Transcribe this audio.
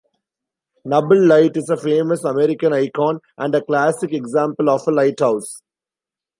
Nubble Light is a famous American icon and a classic example of a lighthouse.